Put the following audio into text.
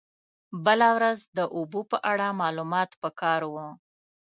بله ورځ د اوبو په اړه معلومات په کار و.